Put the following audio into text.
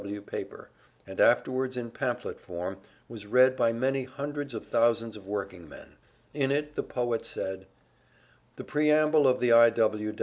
W. W. paper, and afterwards in pamphlet form was read by many hundreds of thousands of workingmen. In it the poet said: "The preamble of the I.